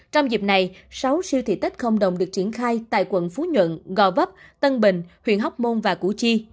trong dịp này sáu siêu thị tết không đồng được triển khai tại quận phú nhuận gò vấp tân bình huyện hóc môn và củ chi